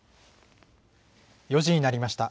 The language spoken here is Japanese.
４時になりました。